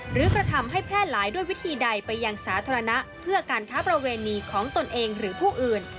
หรือกระทำให้แพร่หลายด้วยวิธีใดไปยังสาธารณะเพื่อการค้าประเวณีของตนเองหรือผู้อื่น